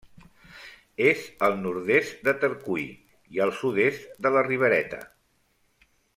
És al nord-est de Tercui i al sud-est de la Ribereta.